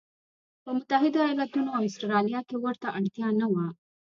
په متحدو ایالتونو او اسټرالیا کې ورته اړتیا نه وه.